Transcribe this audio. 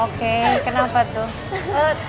oke kenapa tuh